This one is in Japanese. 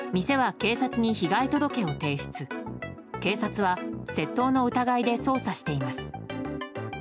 警察は窃盗の疑いで捜査しています。